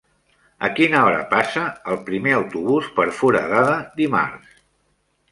A quina hora passa el primer autobús per Foradada dimarts?